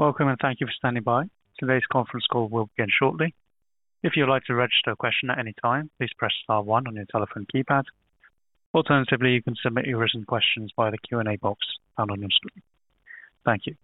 Welcome, and thank you for standing by. Today's conference call will begin shortly. If you'd like to register a question at any time, please press star one on your telephone keypad. Alternatively, you can submit your written questions via the Q&A box found on your screen. Thank you.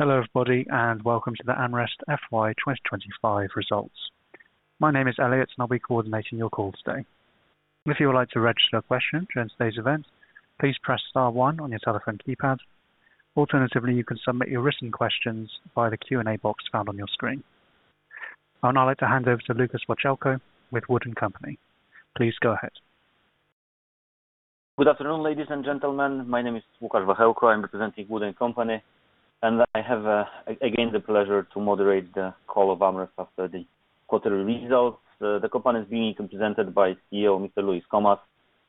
Hello, everybody, and welcome to the AmRest FY 2025 results. My name is Elliot, and I'll be coordinating your call today. If you would like to register a question during today's event, please press star one on your telephone keypad. Alternatively, you can submit your written questions via the Q&A box found on your screen. I would now like to hand over to Łukasz Wachełko with Wood & Company. Please go ahead. Good afternoon, ladies and gentlemen. My name is Łukasz Wachełko. I'm representing Wood & Company, and I have again, the pleasure to moderate the call of AmRest after the quarterly results. The company is being presented by CEO, Mr. Luis Comas,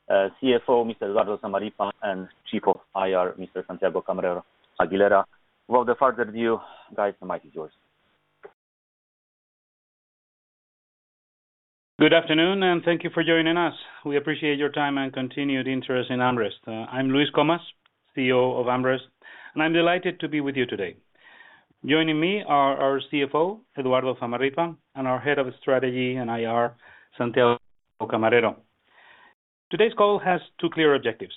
CFO, Mr. Eduardo Zamarripa, and Chief of IR, Mr. Santiago Camarero Aguilera. Without further ado, guys, the mic is yours. Good afternoon, thank you for joining us. We appreciate your time and continued interest in AmRest. I'm Luis Comas, CEO of AmRest, and I'm delighted to be with you today. Joining me are our CFO, Eduardo Zamarripa, and our Head of Strategy and IR, Santiago Camarero. Today's call has two clear objectives.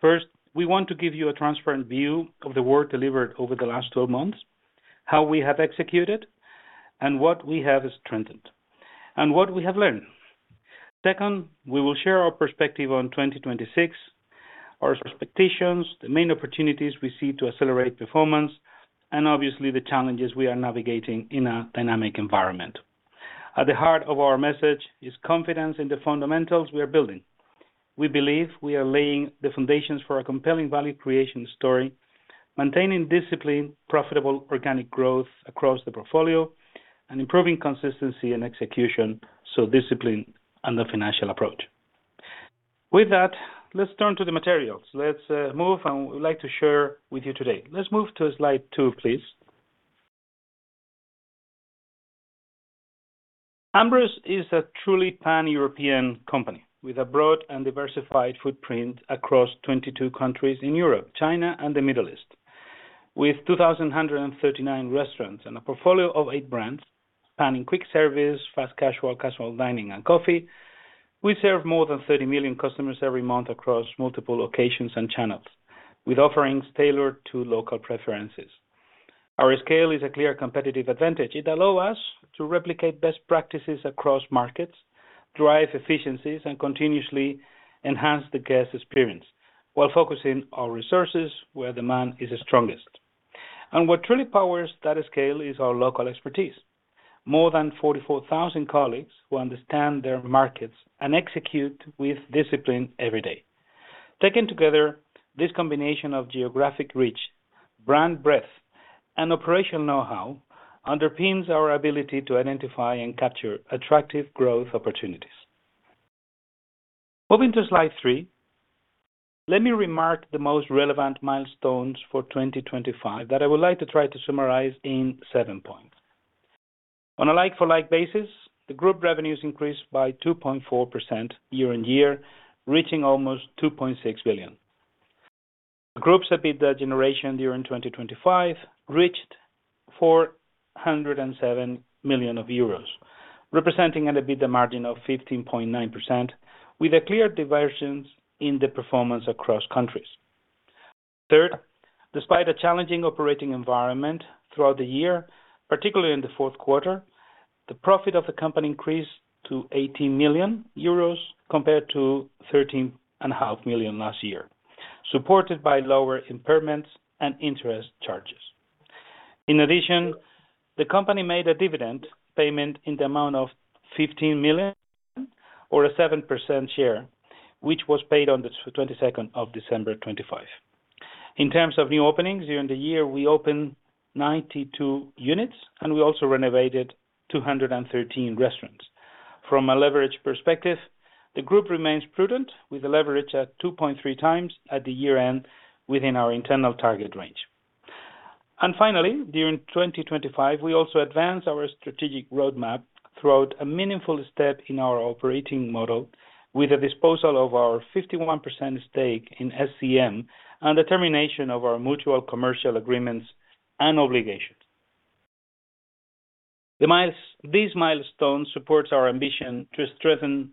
First, we want to give you a transparent view of the work delivered over the last 12 months, how we have executed, and what we have strengthened, and what we have learned. Second, we will share our perspective on 2026, our expectations, the main opportunities we see to accelerate performance, and obviously, the challenges we are navigating in a dynamic environment. At the heart of our message is confidence in the fundamentals we are building. We believe we are laying the foundations for a compelling value creation story, maintaining discipline, profitable organic growth across the portfolio, and improving consistency and execution, discipline and the financial approach. With that, let's turn to the materials. Let's move, we would like to share with you today. Let's move to slide two, please. AmRest is a truly pan-European company with a broad and diversified footprint across 22 countries in Europe, China, and the Middle East. With 2,339 restaurants and a portfolio of eight brands, spanning quick service, fast casual dining, and coffee, we serve more than 30 million customers every month across multiple locations and channels, with offerings tailored to local preferences. Our scale is a clear competitive advantage. It allow us to replicate best practices across markets... drive efficiencies, continuously enhance the guest experience, while focusing our resources where demand is strongest. What truly powers that scale is our local expertise. More than 44,000 colleagues who understand their markets and execute with discipline every day. Taken together, this combination of geographic reach, brand breadth, and operational know-how underpins our ability to identify and capture attractive growth opportunities. Moving to slide three, let me remark the most relevant milestones for 2025, that I would like to try to summarize in seven points. On a like-for-like basis, the group revenues increased by 2.4% year-on-year, reaching almost 2.6 billion. The group's EBITDA generation during 2025 reached 407 million euros, representing an EBITDA margin of 15.9%, with a clear divergence in the performance across countries. Third, despite a challenging operating environment throughout the year, particularly in the fourth quarter, the profit of the company increased to 80 million euros, compared to 13.5 million last year, supported by lower impairments and interest charges. In addition, the company made a dividend payment in the amount of 15 million, or a 7% share, which was paid on the 22nd of December 2025. In terms of new openings, during the year, we opened 92 units, and we also renovated 213 restaurants. From a leverage perspective, the group remains prudent, with a leverage at 2.3x at the year-end, within our internal target range. Finally, during 2025, we also advanced our strategic roadmap throughout a meaningful step in our operating model, with a disposal of our 51% stake in SCM and the termination of our mutual commercial agreements and obligations. These milestones supports our ambition to strengthen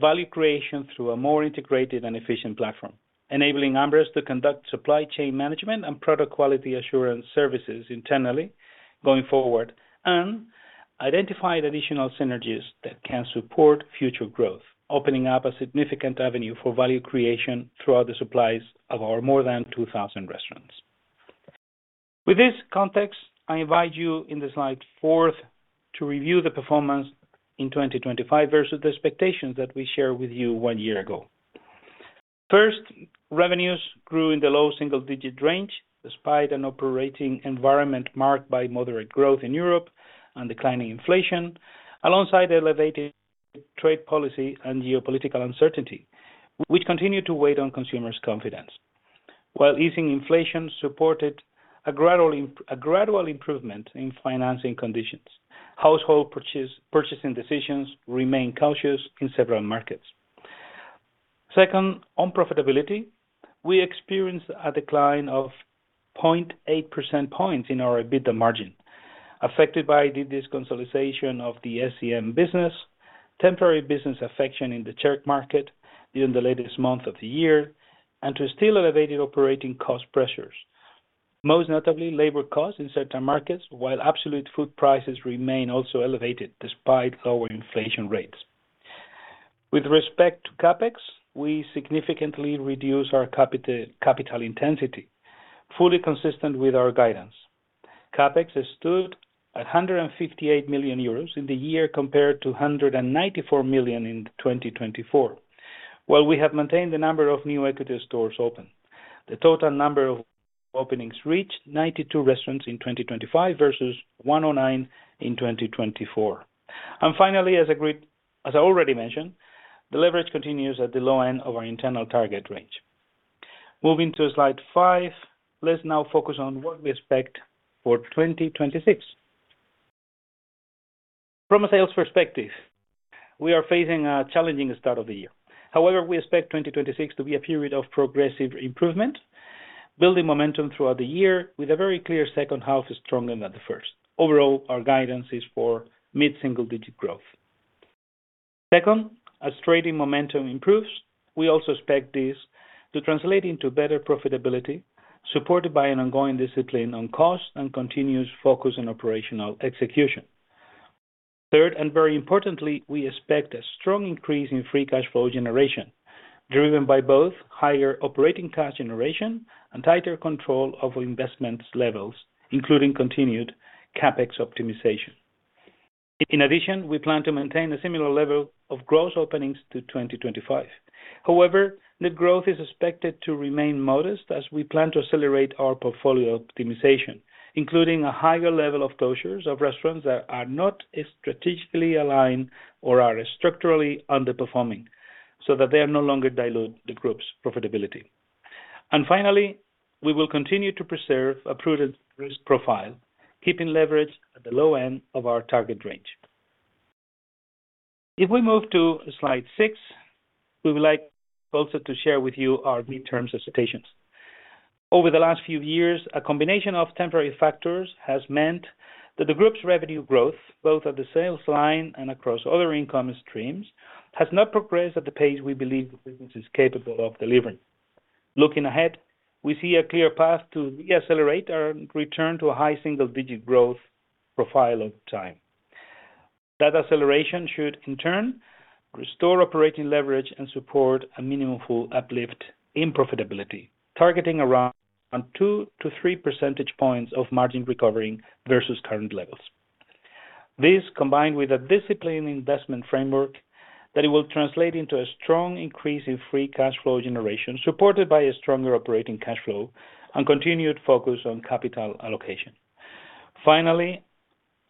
value creation through a more integrated and efficient platform, enabling AmRest to conduct supply chain management and product quality assurance services internally going forward, and identify additional synergies that can support future growth, opening up a significant avenue for value creation throughout the supplies of our more than 2,000 restaurants. With this context, I invite you in the slide fourth, to review the performance in 2025 versus the expectations that we shared with you one year ago. First, revenues grew in the low single-digit range, despite an operating environment marked by moderate growth in Europe and declining inflation, alongside elevated trade policy and geopolitical uncertainty, which continued to weigh on consumers' confidence. While easing inflation supported a gradual improvement in financing conditions, household purchasing decisions remain cautious in several markets. Second, on profitability, we experienced a decline of 0.8 percentage points in our EBITDA margin, affected by the deconsolidation of the SCM business, temporary business affection in the Czech market during the latest month of the year, and to still elevated operating cost pressures. Most notably, labor costs in certain markets, while absolute food prices remain also elevated despite lower inflation rates. With respect to CapEx, we significantly reduce our capital intensity, fully consistent with our guidance. CapEx stood at 158 million euros in the year, compared to 194 million in 2024. While we have maintained the number of new equity stores open. The total number of openings reached 92 restaurants in 2025 versus 109 in 2024. Finally, as agreed, as I already mentioned, the leverage continues at the low end of our internal target range. Moving to slide 5, let's now focus on what we expect for 2026. From a sales perspective, we are facing a challenging start of the year. However, we expect 2026 to be a period of progressive improvement, building momentum throughout the year with a very clear second half stronger than the first. Overall, our guidance is for mid-single digit growth. Second, as trading momentum improves, we also expect this to translate into better profitability, supported by an ongoing discipline on cost and continuous focus on operational execution. Third, and very importantly, we expect a strong increase in free cash flow generation, driven by both higher operating cash generation and tighter control of investments levels, including continued CapEx optimization. In addition, we plan to maintain a similar level of gross openings to 2025. However, net growth is expected to remain modest as we plan to accelerate our portfolio optimization, including a higher level of closures of restaurants that are not strategically aligned or are structurally underperforming, so that they no longer dilute the group's profitability. Finally, we will continue to preserve a prudent risk profile, keeping leverage at the low end of our target range. If we move to slide six, we would like also to share with you our mid-term expectations. Over the last few years, a combination of temporary factors has meant that the group's revenue growth, both at the sales line and across other income streams, has not progressed at the pace we believe the business is capable of delivering. Looking ahead, we see a clear path to reaccelerate our return to a high single-digit growth profile over time. That acceleration should, in turn, restore operating leverage and support a meaningful uplift in profitability, targeting around 2 percentage points-3 percentage points of margin recovery versus current levels. This, combined with a disciplined investment framework, that it will translate into a strong increase in free cash flow generation, supported by a stronger operating cash flow and continued focus on capital allocation.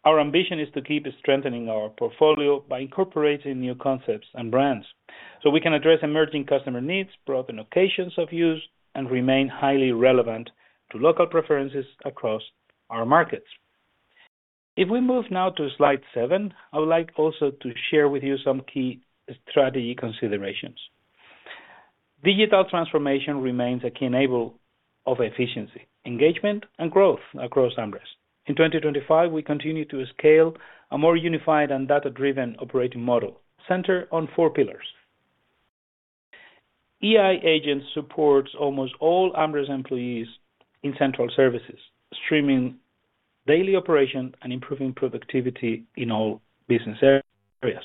Our ambition is to keep strengthening our portfolio by incorporating new concepts and brands, so we can address emerging customer needs, broaden occasions of use, and remain highly relevant to local preferences across our markets. If we move now to slide seven, I would like also to share with you some key strategy considerations. Digital transformation remains a key enabler of efficiency, engagement, and growth across AmRest. In 2025, we continued to scale a more unified and data-driven operating model centered on four pillars. AI Agent supports almost all AmRest employees in central services, streaming daily operation and improving productivity in all business areas.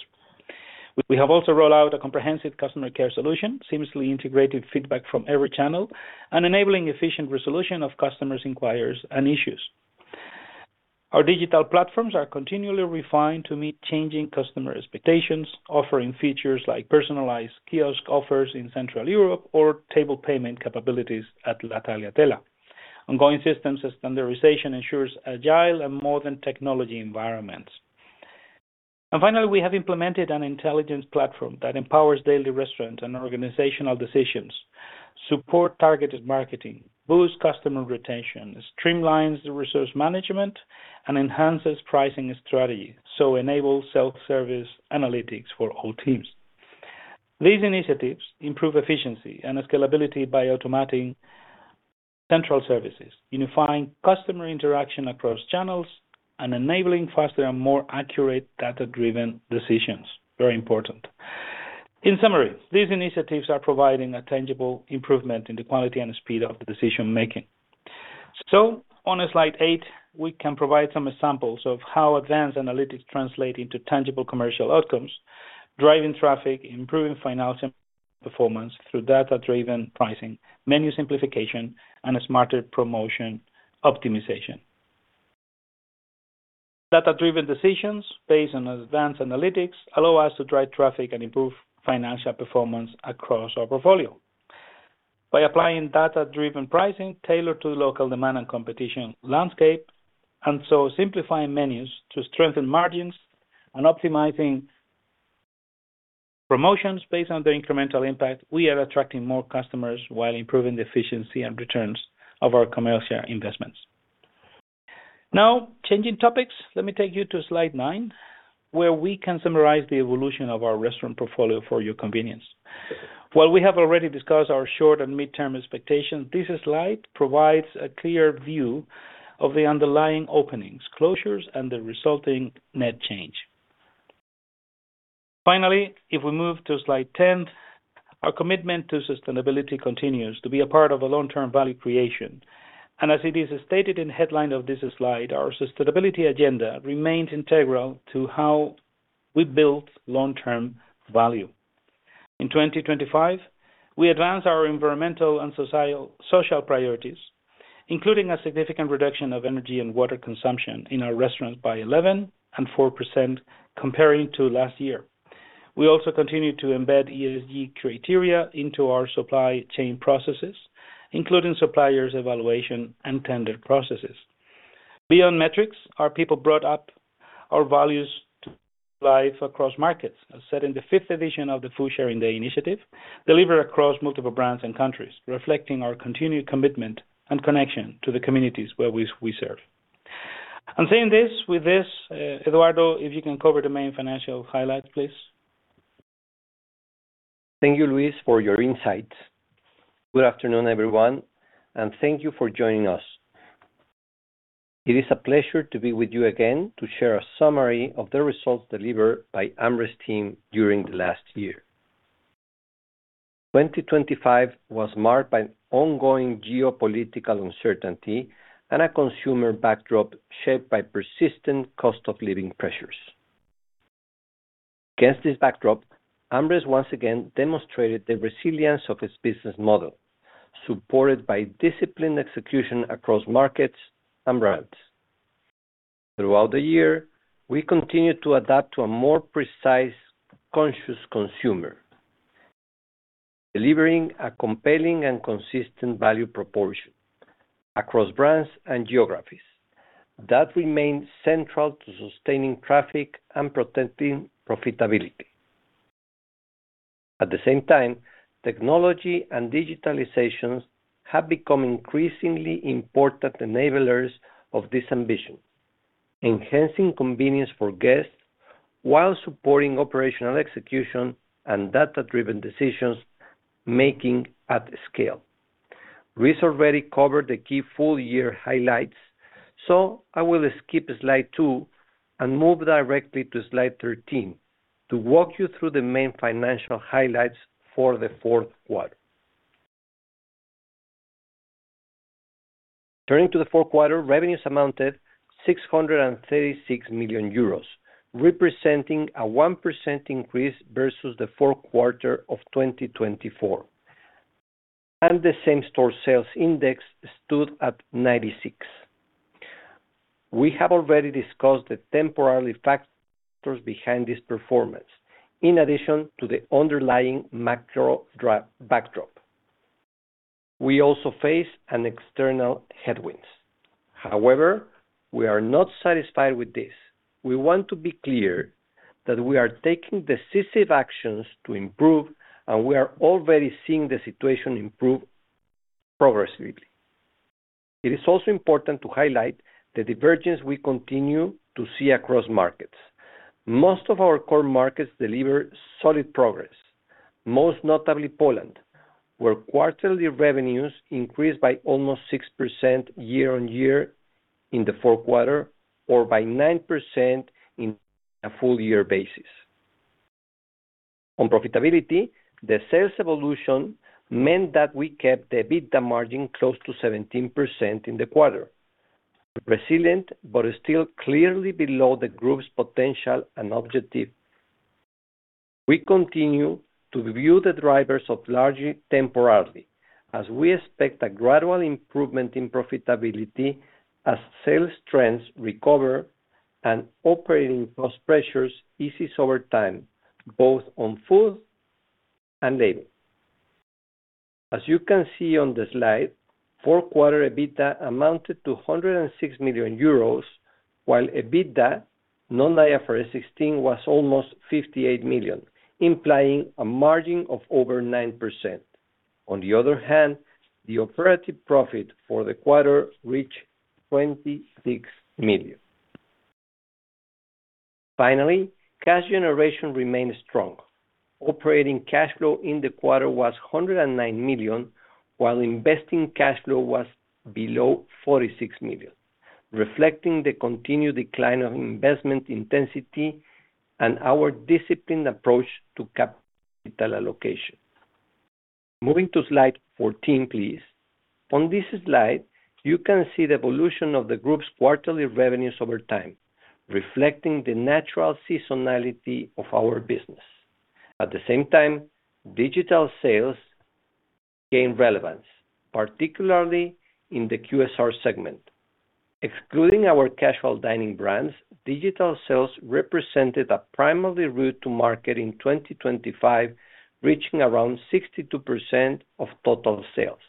We have also rolled out a comprehensive customer care solution, seamlessly integrated feedback from every channel, and enabling efficient resolution of customers' inquiries and issues. Our digital platforms are continually refined to meet changing customer expectations, offering features like personalized kiosk offers in Central Europe or table payment capabilities at La Tagliatella. Ongoing systems and standardization ensures agile and modern technology environments. Finally, we have implemented an intelligence platform that empowers daily restaurant and organizational decisions, support targeted marketing, boosts customer retention, streamlines resource management, and enhances pricing strategy, so enables self-service analytics for all teams. These initiatives improve efficiency and scalability by automating central services, unifying customer interaction across channels, and enabling faster and more accurate data-driven decisions. Very important. In summary, these initiatives are providing a tangible improvement in the quality and speed of decision making. On slide eight, we can provide some examples of how advanced analytics translate into tangible commercial outcomes, driving traffic, improving financial performance through data-driven pricing, menu simplification, and smarter promotion optimization. Data-driven decisions based on advanced analytics allow us to drive traffic and improve financial performance across our portfolio. By applying data-driven pricing tailored to local demand and competition landscape, and so simplifying menus to strengthen margins and optimizing promotions based on the incremental impact, we are attracting more customers while improving the efficiency and returns of our commercial investments. Now, changing topics, let me take you to slide nine, where we can summarize the evolution of our restaurant portfolio for your convenience. While we have already discussed our short and midterm expectations, this slide provides a clear view of the underlying openings, closures, and the resulting net change. Finally, if we move to slide 10, our commitment to sustainability continues to be a part of a long-term value creation. As it is stated in the headline of this slide, our sustainability agenda remains integral to how we build long-term value. In 2025, we advanced our environmental and social priorities, including a significant reduction of energy and water consumption in our restaurants by 11% and 4% comparing to last year. We also continued to embed ESG criteria into our supply chain processes, including suppliers' evaluation and tender processes. Beyond metrics, our people brought up our values to life across markets, as said in the fifth edition of the Food Sharing Day initiative, delivered across multiple brands and countries, reflecting our continued commitment and connection to the communities where we serve. Saying this, with this, Eduardo, if you can cover the main Financial Highlights, please. Thank you, Luis, for your insights. Good afternoon, everyone, and thank you for joining us. It is a pleasure to be with you again to share a summary of the results delivered by AmRest team during the last year. 2025 was marked by ongoing geopolitical uncertainty and a consumer backdrop shaped by persistent cost of living pressures. Against this backdrop, AmRest once again demonstrated the resilience of its business model, supported by disciplined execution across markets and brands. Throughout the year, we continued to adapt to a more precise, conscious consumer, delivering a compelling and consistent value proposition across brands and geographies that remained central to sustaining traffic and protecting profitability. At the same time, technology and digitalizations have become increasingly important enablers of this ambition, enhancing convenience for guests while supporting operational execution and data-driven decisions making at scale. Luis already covered the key full-year highlights. I will skip slide two and move directly to slide 13 to walk you through the main Financial Highlights for the fourth quarter. Turning to the fourth quarter, revenues amounted 636 million euros, representing a 1% increase versus the fourth quarter of 2024, and the same-store sales index stood at 96. We have already discussed the temporary factors behind this performance, in addition to the underlying macro backdrop. We also face an external headwinds. We are not satisfied with this. We want to be clear that we are taking decisive actions to improve, and we are already seeing the situation improve progressively. It is also important to highlight the divergence we continue to see across markets. Most of our core markets deliver solid progress, most notably Poland, where quarterly revenues increased by almost 6% year-on-year in the fourth quarter, or by 9% in a full year basis. On profitability, the sales evolution meant that we kept the EBITDA margin close to 17% in the quarter, resilient, but still clearly below the group's potential and objective. We continue to view the drivers of largely temporarily, as we expect a gradual improvement in profitability as sales trends recover and operating cost pressures eases over time, both on food and labor. As you can see on the slide, fourth quarter EBITDA amounted to 106 million euros, while EBITDA non-IFRS 16 was almost 58 million, implying a margin of over 9%. On the other hand, the operative profit for the quarter reached 26 million. Finally, cash generation remained strong. Operating cash flow in the quarter was 109 million, while investing cash flow was below 46 million, reflecting the continued decline of investment intensity and our disciplined approach to capital allocation. Moving to slide 14, please. On this slide, you can see the evolution of the group's quarterly revenues over time, reflecting the natural seasonality of our business. At the same time, digital sales gain relevance, particularly in the QSR segment. Excluding our casual dining brands, digital sales represented a primary route to market in 2025, reaching around 62% of total sales.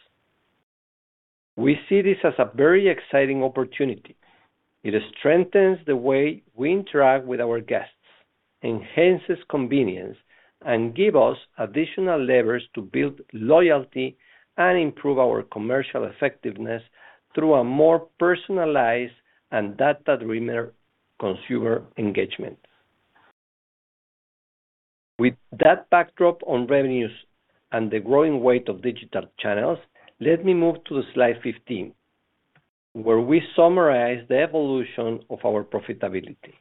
We see this as a very exciting opportunity. It strengthens the way we interact with our guests, enhances convenience, and give us additional levers to build loyalty and improve our commercial effectiveness through a more personalized and data-driven consumer engagement. With that backdrop on revenues and the growing weight of digital channels, let me move to slide 15, where we summarize the evolution of our profitability,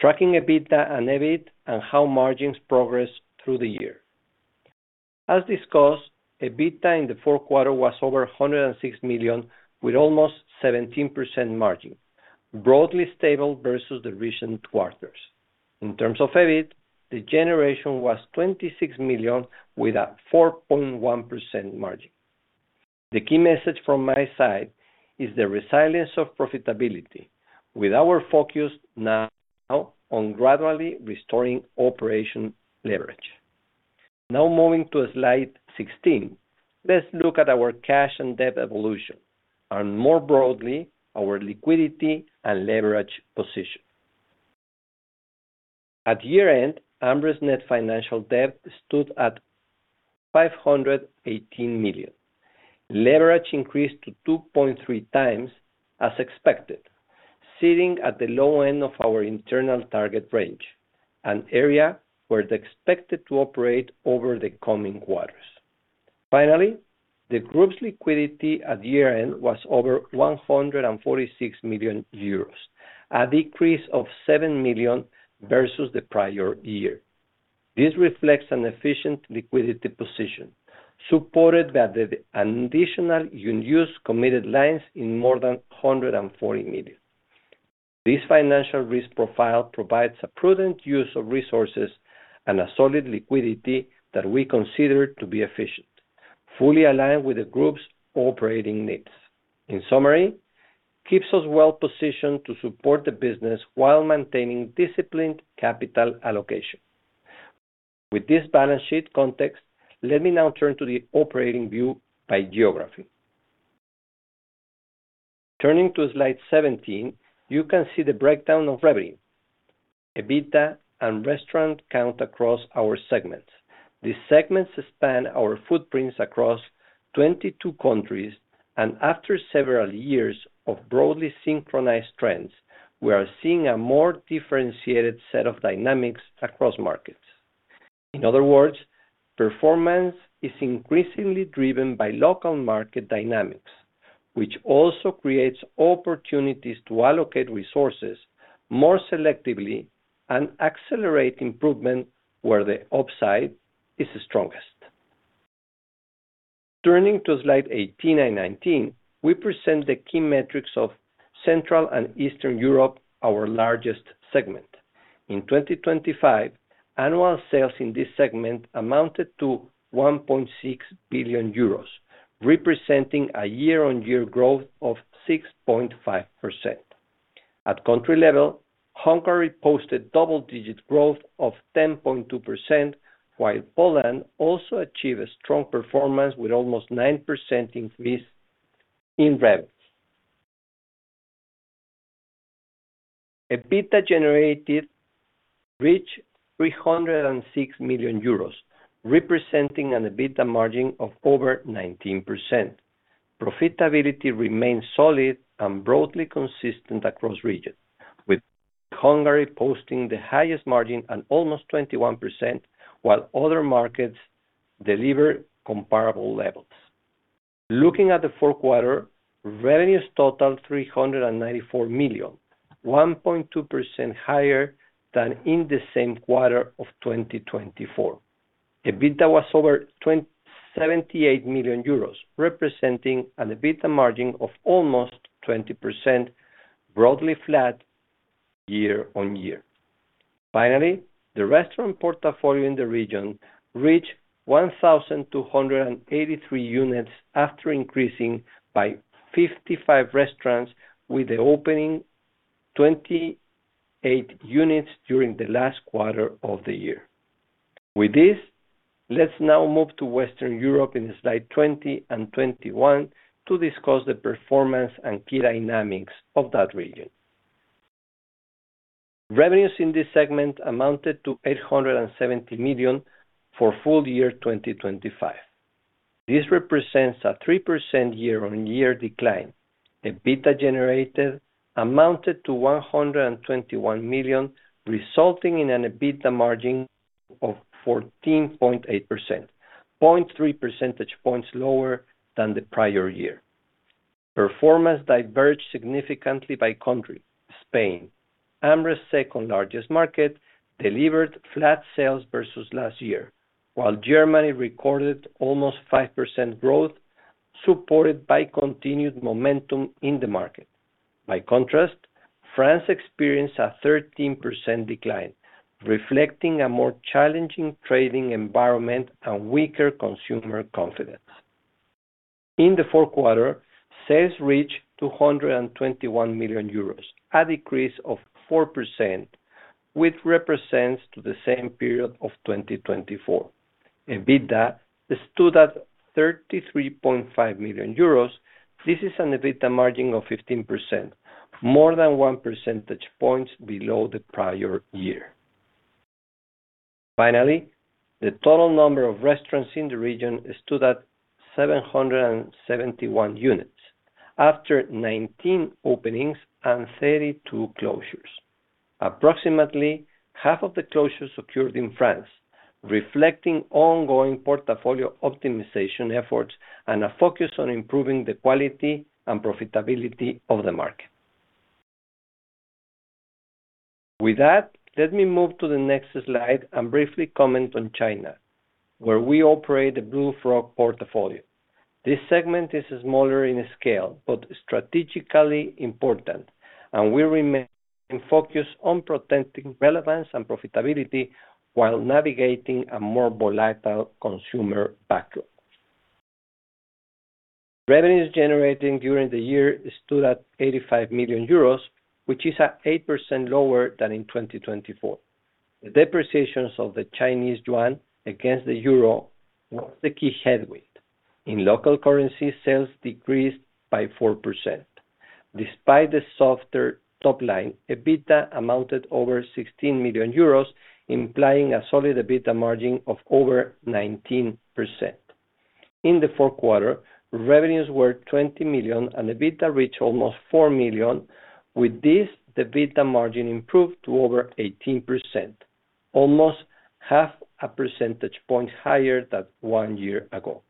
tracking EBITDA and EBIT and how margins progress through the year. As discussed, EBITDA in the fourth quarter was over 106 million, with almost 17% margin, broadly stable versus the recent quarters. In terms of EBIT, the generation was 26 million, with a 4.1% margin. The key message from my side is the resilience of profitability, with our focus now on gradually restoring operation leverage. Moving to slide 16, let's look at our cash and debt evolution, and more broadly, our liquidity and leverage position. At year-end, AmRest's net financial debt stood at 518 million. Leverage increased to 2.3x as expected, sitting at the low end of our internal target range, an area where they're expected to operate over the coming quarters. The group's liquidity at year-end was over 146 million euros, a decrease of 7 million versus the prior year. This reflects an efficient liquidity position, supported by the additional unused committed lines in more than 140 million. This financial risk profile provides a prudent use of resources and a solid liquidity that we consider to be efficient, fully aligned with the group's operating needs. In summary, keeps us well positioned to support the business while maintaining disciplined capital allocation. With this balance sheet context, let me now turn to the operating view by geography. Turning to slide 17, you can see the breakdown of revenue, EBITDA, and restaurant count across our segments. These segments span our footprints across 22 countries. After several years of broadly synchronized trends, we are seeing a more differentiated set of dynamics across markets. In other words, performance is increasingly driven by local market dynamics, which also creates opportunities to allocate resources more selectively and accelerate improvement where the upside is the strongest. Turning to slide 18 and slide 19, we present the key metrics of Central and Eastern Europe, our largest segment. In 2025, annual sales in this segment amounted to 1.6 billion euros, representing a year-on-year growth of 6.5%. At country level, Hungary posted double-digit growth of 10.2%, while Poland also achieved a strong performance with almost 9% increase in revenues. EBITDA generated reached 306 million euros, representing an EBITDA margin of over 19%. Profitability remains solid and broadly consistent across regions, with Hungary posting the highest margin at almost 21%, while other markets deliver comparable levels. Looking at the fourth quarter, revenues totaled 394 million, 1.2% higher than in the same quarter of 2024. EBITDA was over 78 million euros, representing an EBITDA margin of almost 20%, broadly flat year-on-year. The restaurant portfolio in the region reached 1,283 units after increasing by 55 restaurants, with the opening 28 units during the last quarter of the year. With this, let's now move to Western Europe in slide two0 and 21 to discuss the performance and key dynamics of that region. Revenues in this segment amounted to 870 million for full year 2025. This represents a 3% year-on-year decline. EBITDA generated amounted to 121 million, resulting in an EBITDA margin of 14.8%, 0.3 percentage points lower than the prior year. Performance diverged significantly by country. Spain, AmRest's second-largest market, delivered flat sales versus last year, while Germany recorded almost 5% growth, supported by continued momentum in the market. By contrast, France experienced a 13% decline, reflecting a more challenging trading environment and weaker consumer confidence. In the fourth quarter, sales reached 221 million euros, a decrease of 4%, which represents to the same period of 2024. EBITDA stood at 33.5 million euros. This is an EBITDA margin of 15%, more than 1 percentage point below the prior year. Finally, the total number of restaurants in the region stood at 771 units, after 19 openings and 32 closures. Approximately half of the closures occurred in France, reflecting ongoing portfolio optimization efforts and a focus on improving the quality and profitability of the market. With that, let me move to the next slide and briefly comment on China, where we operate the Blue Frog portfolio. This segment is smaller in scale but strategically important, and we remain focused on protecting relevance and profitability while navigating a more volatile consumer backdrop. Revenues generating during the year stood at 85 million euros, which is 8% lower than in 2024. The depreciations of the Chinese yuan against the euro was the key headwind. In local currency, sales decreased by 4%. Despite the softer top line, EBITDA amounted over 16 million euros, implying a solid EBITDA margin of over 19%. In the fourth quarter, revenues were 20 million, and EBITDA reached almost 4 million. With this, the EBITDA margin improved to over 18%, almost half a percentage point higher than one year ago,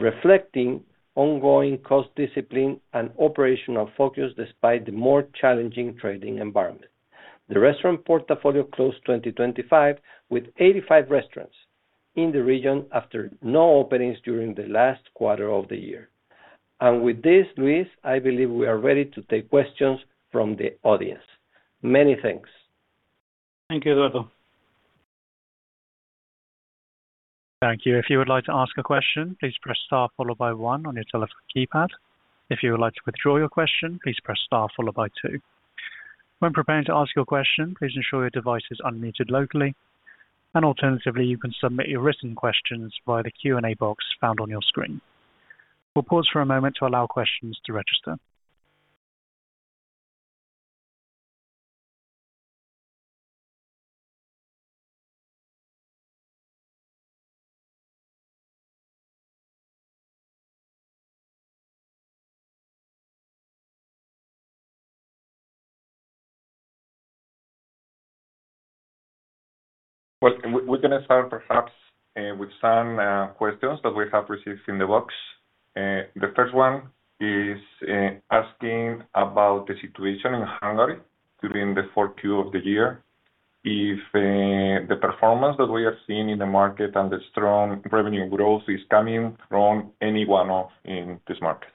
reflecting ongoing cost discipline and operational focus despite the more challenging trading environment. The restaurant portfolio closed 2025, with 85 restaurants in the region after no openings during the last quarter of the year. With this, Luis, I believe we are ready to take questions from the audience. Many thanks. Thank you, Eduardo. Thank you. If you would like to ask a question, please press star followed by one on your telephone keypad. If you would like to withdraw your question, please press star followed by two. When preparing to ask your question, please ensure your device is unmuted locally, and alternatively, you can submit your written questions via the Q&A box found on your screen. We'll pause for a moment to allow questions to register. Well, we're gonna start perhaps with some questions that we have received in the box. The first one is asking about the situation in Hungary during the fourth Q of the year. If the performance that we have seen in the market and the strong revenue growth is coming from any one-off in this market?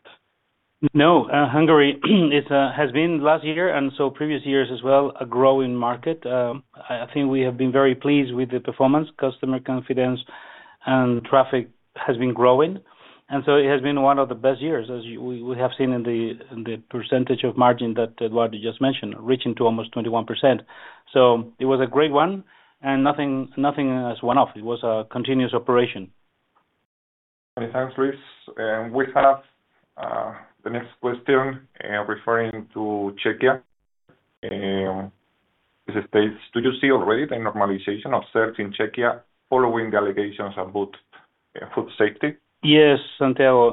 No, Hungary, it has been last year, previous years as well, a growing market. I think we have been very pleased with the performance, customer confidence and traffic has been growing. It has been one of the best years, as we have seen in the percentage of margin that Eduardo just mentioned, reaching to almost 21%. It was a great one, and nothing as one-off. It was a continuous operation. Many thanks, Luis. We have the next question referring to Czechia, it states: Do you see already the normalization observed in Czechia following the allegations about food safety? Yes, Santiago.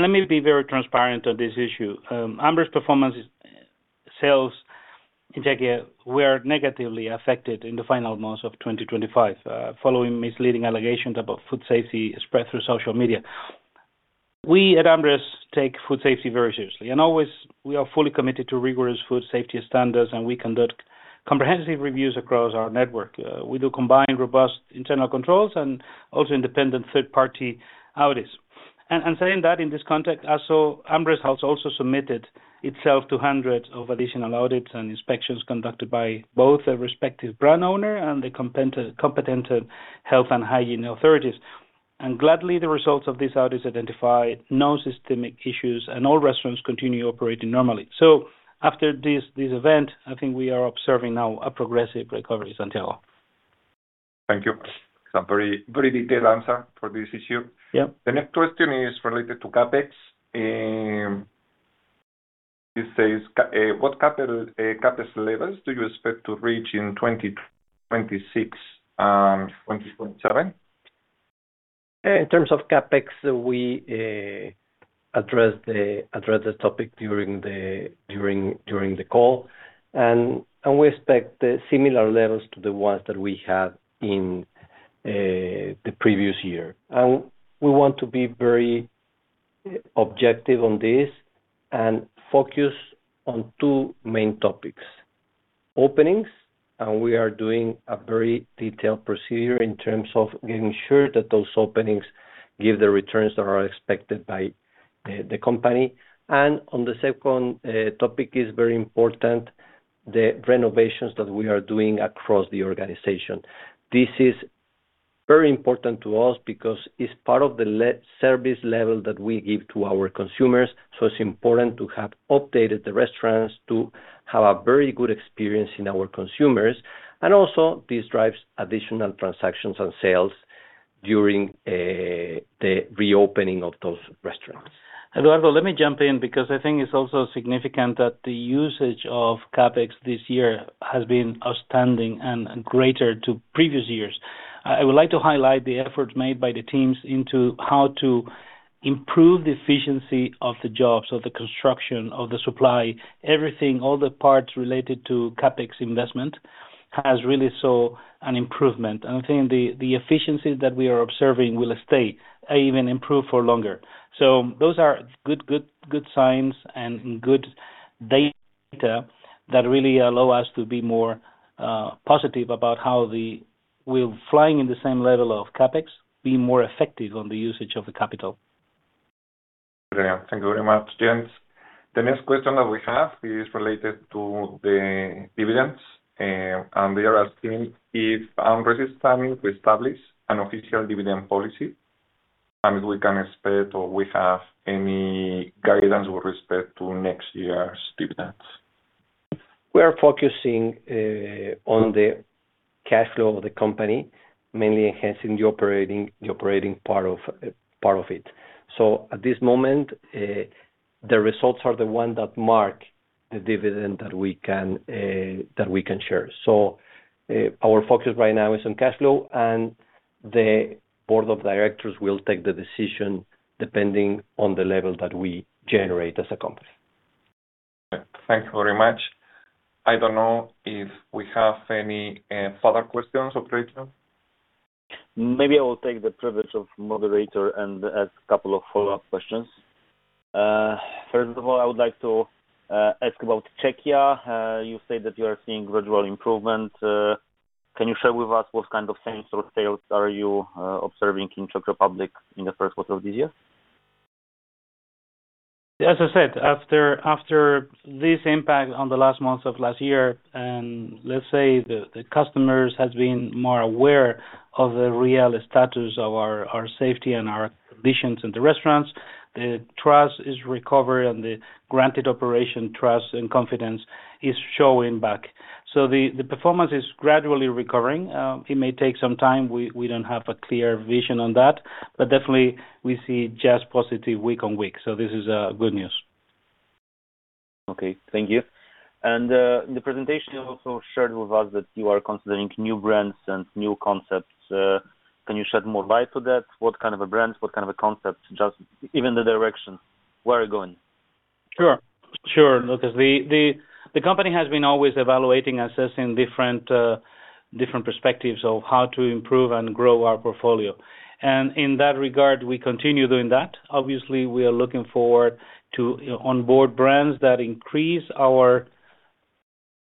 Let me be very transparent on this issue. AmRest's sales in Czechia were negatively affected in the final months of 2025, following misleading allegations about food safety spread through social media. We at AmRest take food safety very seriously, and always we are fully committed to rigorous food safety standards, and we conduct comprehensive reviews across our network. We do combined robust internal controls and also independent third-party audits. Saying that in this context, AmRest has also submitted itself to hundreds of additional audits and inspections conducted by both the respective brand owner and the competent health and hygiene authorities. Gladly, the results of these audits identified no systemic issues, and all restaurants continue operating normally. After this event, I think we are observing now a progressive recovery, Santiago. Thank you. It's a very, very detailed answer for this issue. Yeah. The next question is related to CapEx, it says, what capital CapEx levels do you expect to reach in 2026 and 2027? In terms of CapEx, we address the topic during the call, and we expect similar levels to the ones that we had in the previous year. We want to be very objective on this and focus on two main topics: openings, and we are doing a very detailed procedure in terms of making sure that those openings give the returns that are expected by the company. On the second topic is very important, the renovations that we are doing across the organization. This is very important to us because it's part of the service level that we give to our consumers, so it's important to have updated the restaurants, to have a very good experience in our consumers. Also, this drives additional transactions and sales during the reopening of those restaurants. Eduardo, let me jump in because I think it's also significant that the usage of CapEx this year has been outstanding and greater to previous years. I would like to highlight the efforts made by the teams into how to improve the efficiency of the jobs, of the construction, of the supply. Everything, all the parts related to CapEx investment has really saw an improvement. I think the efficiency that we are observing will stay, even improve for longer. Those are good signs and good data that really allow us to be more positive about. We're flying in the same level of CapEx, being more effective on the usage of the capital. Great. Thank you very much, gents. The next question that we have is related to the dividends. We are asking if AmRest is planning to establish an official dividend policy. We can expect or we have any guidelines with respect to next year's dividends. We are focusing on the cash flow of the company, mainly enhancing the operating part of it. At this moment, the results are the one that mark the dividend that we can share. Our focus right now is on cash flow, and the board of directors will take the decision depending on the level that we generate as a company. Thank you very much. I don't know if we have any further questions or comments? Maybe I will take the privilege of moderator and ask a couple of follow-up questions. First of all, I would like to ask about Czechia. You said that you are seeing gradual improvement. Can you share with us what kind of trends or sales are you observing in Czech Republic in the first quarter of this year? As I said, after this impact on the last months of last year, and let's say the customers has been more aware of the real status of our safety and our conditions in the restaurants, the trust is recovering and the granted operation trust and confidence is showing back. The performance is gradually recovering. It may take some time. We don't have a clear vision on that, but definitely we see just positive week on week, this is good news. Okay. Thank you. In the presentation, you also shared with us that you are considering new brands and new concepts. Can you shed more light to that? What kind of a brands, what kind of a concepts, just even the direction, where are you going? Sure. Sure, Lucas. The company has been always evaluating, assessing different perspectives of how to improve and grow our portfolio. In that regard, we continue doing that. Obviously, we are looking forward to onboard brands that increase our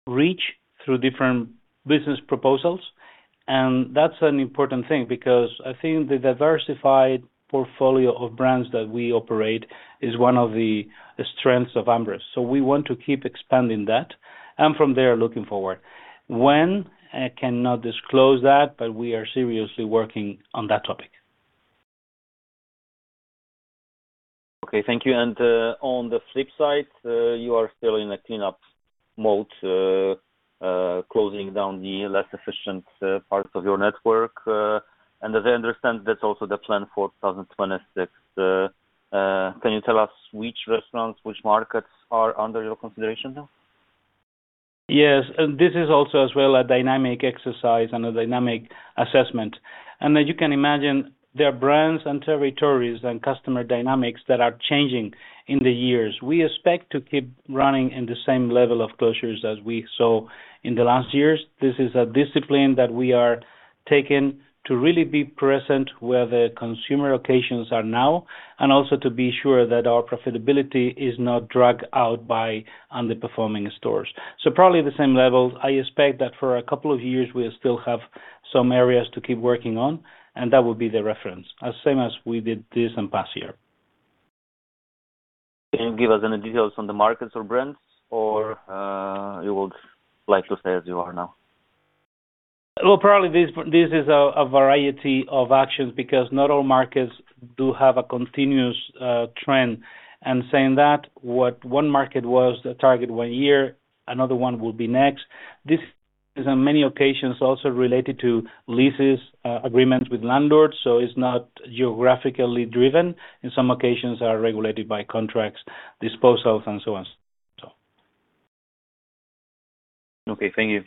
reach through different business proposals, and that's an important thing because I think the diversified portfolio of brands that we operate is one of the strengths of AmRest. We want to keep expanding that, and from there, looking forward. When? I cannot disclose that, but we are seriously working on that topic. Okay, thank you. On the flip side, you are still in a clean up mode, closing down the less efficient parts of your network. As I understand, that's also the plan for 2026. Can you tell us which restaurants, which markets are under your consideration now? Yes, this is also as well, a dynamic exercise and a dynamic assessment. As you can imagine, there are brands and territories and customer dynamics that are changing in the years. We expect to keep running in the same level of closures as we saw in the last years. This is a discipline that we are taking to really be present where the consumer occasions are now, and also to be sure that our profitability is not dragged out by underperforming stores. Probably the same level. I expect that for a couple of years, we'll still have some areas to keep working on, and that will be the reference, as same as we did this and past year. Can you give us any details on the markets or brands, or you would like to stay as you are now? Well, probably, this is a variety of actions because not all markets do have a continuous trend. Saying that, what one market was the target one year, another one will be next. This is on many occasions, also related to leases, agreement with landlords, so it's not geographically driven, in some occasions are regulated by contracts, disposals, and so on. Okay, thank you.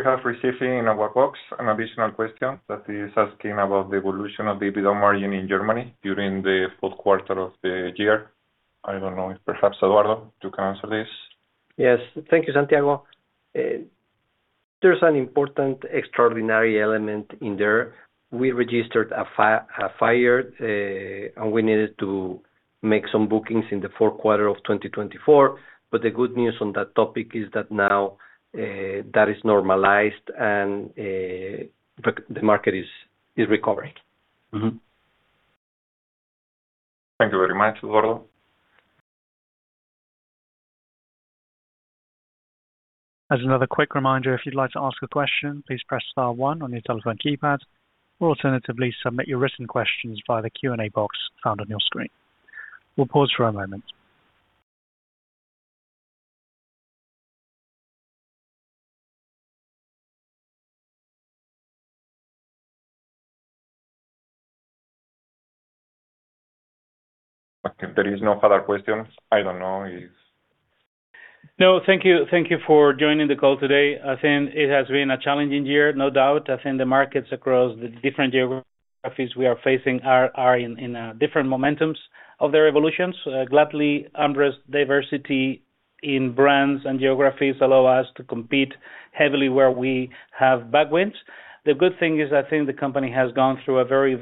We have received in our box an additional question that is asking about the evolution of the EBITDA margin in Germany during the fourth quarter of the year. I don't know if perhaps, Eduardo, you can answer this. Yes. Thank you, Santiago. There's an important extraordinary element in there. We registered a fire, and we needed to make some bookings in the fourth quarter of 2024. The good news on that topic is that now that is normalized and the market is recovering. Mm-hmm. Thank you very much, Eduardo. As another quick reminder, if you'd like to ask a question, please press star one on your telephone keypad, or alternatively, submit your written questions via the Q&A box found on your screen. We'll pause for a moment. Okay. There is no further questions. I don't know if... No, thank you, thank you for joining the call today. I think it has been a challenging year, no doubt, as in the markets across the different geographies we are facing are in different momentums of their evolutions. Gladly, AmRest diversity in brands and geographies allow us to compete heavily where we have backwinds. The good thing is, I think the company has gone through a very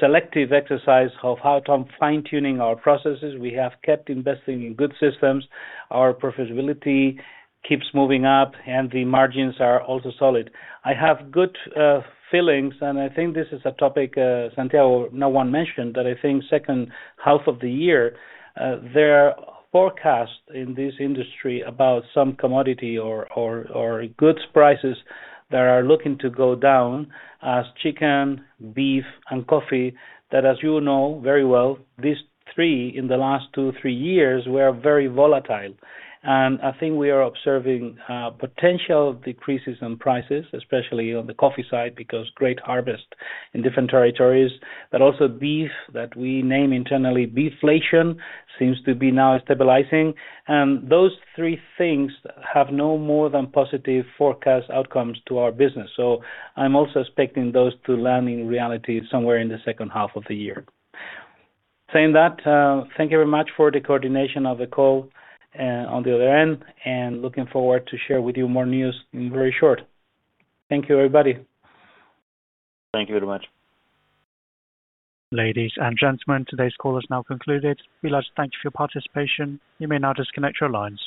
selective exercise of how to fine-tuning our processes. We have kept investing in good systems. Our profitability keeps moving up, and the margins are also solid. I have good feelings, and I think this is a topic, Santiago, no one mentioned, but I think second half of the year, there are forecasts in this industry about some commodity or goods prices that are looking to go down as chicken, beef, and coffee, that as you know very well, these three in the last two or three years, were very volatile. I think we are observing potential decreases in prices, especially on the coffee side, because great harvest in different territories, but also beef, that we name internally, beeflation, seems to be now stabilizing. Those 3 things have no more than positive forecast outcomes to our business. I'm also expecting those to land in reality somewhere in the second half of the year. Saying that, thank you very much for the coordination of the call, on the other end, and looking forward to share with you more news in very short. Thank you, everybody. Thank you very much. Ladies and gentlemen, today's call is now concluded. We'd like to thank you for your participation. You may now disconnect your lines.